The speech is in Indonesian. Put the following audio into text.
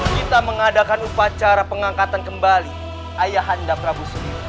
kita mengadakan upacara pengangkatan kembali ayahanda prabu suni